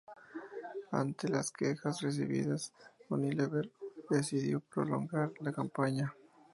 Ante las quejas recibidas, Unilever decidió no prolongar la campaña.